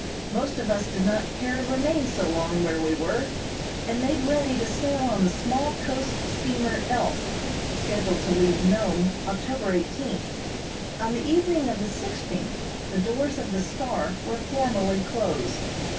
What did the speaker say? Most of us did not care to remain so long where we were, and made ready to sail on the small coast steamer "Elk," scheduled to leave Nome October eighteenth. On the evening of the sixteenth the doors of the "Star" were formally closed.